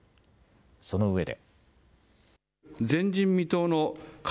そのうえで。